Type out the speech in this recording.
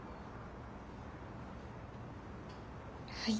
はい。